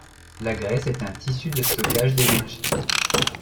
La graisse est un tissu de stockage d'énergie.